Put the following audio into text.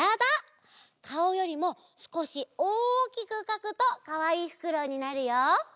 かおよりもすこしおおきくかくとかわいいふくろうになるよ。